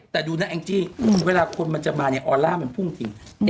แต่ดูเนี้ยแองจริงเวลาคนมันจะมาเนี้ยออร่ามันพุ่งสิ